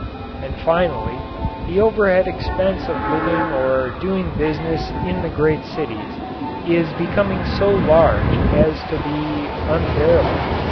And finally, the overhead expense of living or doing business in the great cities is becoming so large as to be unbearable.